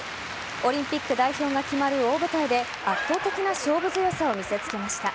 オリンピック代表が決まる大舞台で圧倒的な勝負強さを見せ付けました。